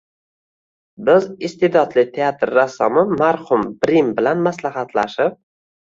Biz iste’dodli teatr rassomi marhum Brim bilan maslahatlashib